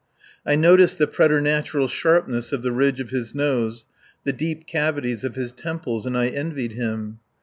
I noticed the preternatural sharpness of the ridge of his nose, the deep cavities of his temples, and I envied him.